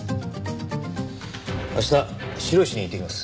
明日白石に行ってきます。